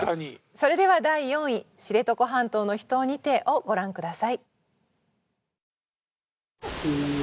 それでは第４位「知床半島の秘湯にて」をご覧下さい。